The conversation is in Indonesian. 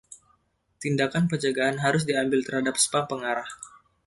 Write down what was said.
Tindakan pencegahan harus diambil terhadap spam pengarah.